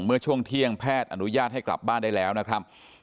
เมื่อช่วงเที่ยงแพทย์อนุญาตให้กลับบ้านได้แล้วนะครับ